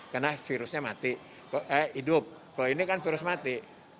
karena virusnya mati eh hidup kalau ini kan virus mati